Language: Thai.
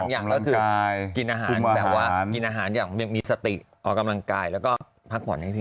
อย่างก็คือกินอาหารแบบว่ากินอาหารอย่างมีสติออกกำลังกายแล้วก็พักผ่อนให้พี่